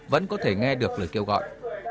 vẫn có thể nghe được lời kêu gọi